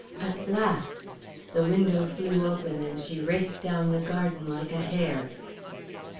At last!" The window flew open and she raced down the garden like a hare.